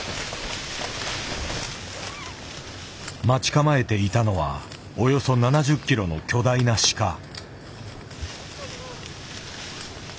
待ち構えていたのはおよそ７０キロの巨大なシカ。